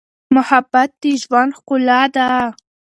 محبت د ژوند ښکلا ده.